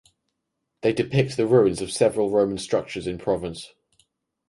They depict the ruins of several Roman structures in Provence.